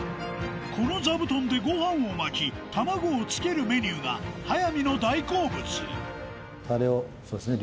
このザブトンでご飯を巻き卵をつけるメニューが速水の大好物タレをそうですね